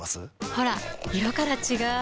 ほら色から違う！